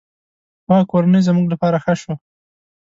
هغه کورنۍ زموږ له پاره ښه شوه.